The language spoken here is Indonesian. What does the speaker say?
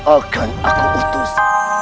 akan aku utus